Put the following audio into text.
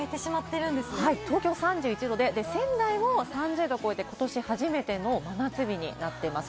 東京３１度で、仙台も３０度を超えて、ことし初めての夏日になっています。